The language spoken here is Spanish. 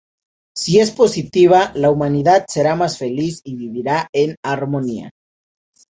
Si es positiva, la humanidad será más feliz y vivirá en armonía.